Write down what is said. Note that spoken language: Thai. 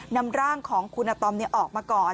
นำร่างของคุณอาตอมออกมาก่อน